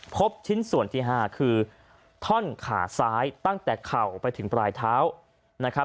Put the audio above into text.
พบชิ้นส่วนที่๕คือท่อนขาซ้ายตั้งแต่เข่าไปถึงปลายเท้านะครับ